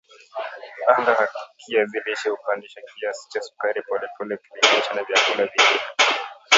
Wanga wa kiazi lishe hupandisha kiasi cha sukari polepole ukilinganisha na vyakula vingine